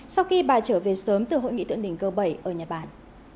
sau khi bà trở về sớm từ hội nghị thượng đỉnh g bảy ở nhật bản